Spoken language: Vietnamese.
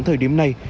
ở thời điểm này